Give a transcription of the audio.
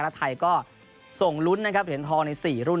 และไทยก็ส่งลุ้นนะครับเหรียญทองใน๔รุ่น